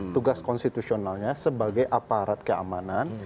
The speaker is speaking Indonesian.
tugas konstitusionalnya sebagai aparat keamanan